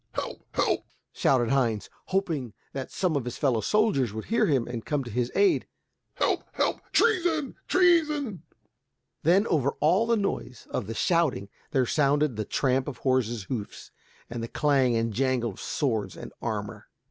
"Help! help!" shouted Heinz, hoping that some of his fellow soldiers would hear him and come to his aid, "Help, help! treason, treason!" Then over all the noise of the shouting there sounded the tramp of horses' hoofs and the clang and jangle of swords and armor.